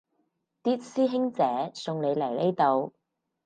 啲師兄姐送你嚟呢度